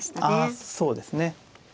あそうですね。